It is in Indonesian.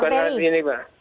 bukan hal ini mbak